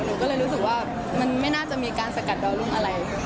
หนูก็เลยรู้สึกว่ามันไม่น่าจะมีการสกัดดาวรุ่งอะไร